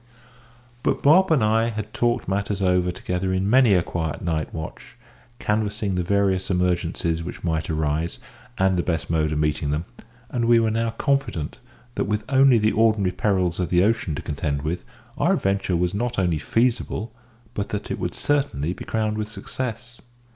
But Bob and I had talked matters over together in many a quiet night watch, canvassing the various emergencies which might arise, and the best mode of meeting them; and we were now confident that, with only the ordinary perils of the ocean to contend with, our adventure was not only feasible, but that it would certainly be crowned with success.